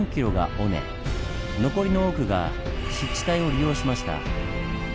残りの多くが湿地帯を利用しました。